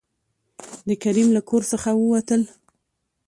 د کريم له کور څخه ووتل.